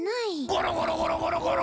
ゴロゴロゴロゴロゴロ！